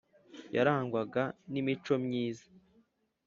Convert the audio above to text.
yarangwaga n’imico myiza